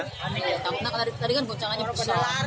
tadi kan poncangannya besar